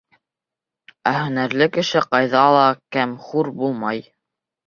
Ә һөнәрле кеше ҡайҙа ла кәм-хур булмай.